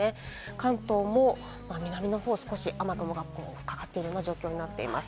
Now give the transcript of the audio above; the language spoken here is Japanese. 関東も南の方、少し雨雲がかかっているような状況になっています。